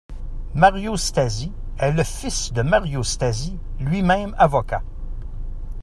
Mario Stasi est le fils de Mario Stasi, lui-même avocat.